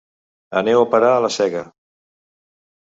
Aneu a parar a la sega.